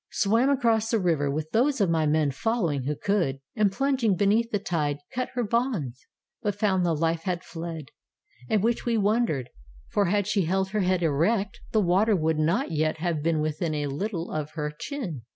Swam across the river, with those of my men following who could, and, plunging beneath the tide, cut her bonds. But found the life had fled, at which we wondered; for had she held her head erect the water would not yet have been within a little of her chin.